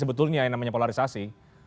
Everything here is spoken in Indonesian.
betulnya yang namanya polarisasi